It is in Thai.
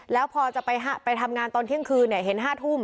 แล้วพอจะไปไปทำงานตอนเที่ยงคืนเนี้ยเห็นห้าทุ่ม